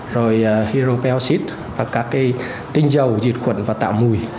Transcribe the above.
rồi hiropeoxid và các tinh dầu diệt khuẩn và tạo mùi